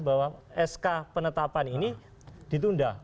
bahwa sk penetapan ini ditunda